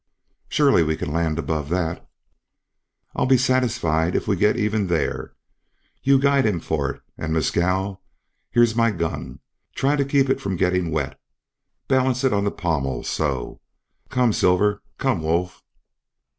"Surely we can land above that." "I'll be satisfied if we get even there. You guide him for it. And, Mescal, here's my gun. Try to keep it from getting wet. Balance it on the pommel so. Come, Silver; come, Wolf."